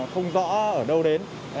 không rõ ở đâu đến